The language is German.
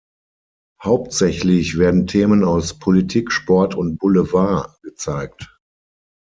Hauptsächlich werden Themen aus Politik, Sport und Boulevard gezeigt.